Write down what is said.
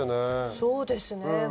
そうですね。